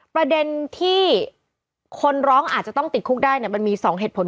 ประเด็นที่คนร้องอาจจะต้องติดคุกได้มันมี๒เหตุผล